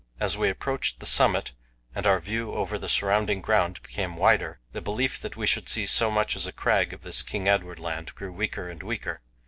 As we approached the summit and our view over the surrounding ground became wider, the belief that we should see so much as a crag of this King Edward Land grew weaker and weaker.